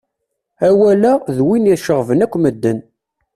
Awal-a d win iceɣben akk medden.